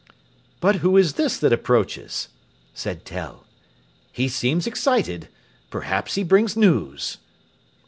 "But who is this that approaches?" said Tell. "He seems excited. Perhaps he brings news."